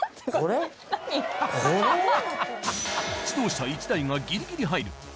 自動車１台がギリギリ入る